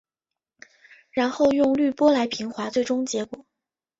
然后用滤波来平滑最终结果。